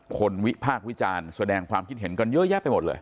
วิพากษ์วิจารณ์แสดงความคิดเห็นกันเยอะแยะไปหมดเลย